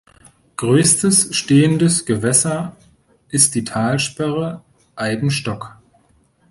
Größtes stehendes Gewässer ist die Talsperre Eibenstock.